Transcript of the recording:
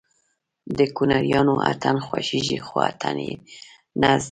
د کونړيانو اتڼ خوښېږي خو اتڼ يې نه زده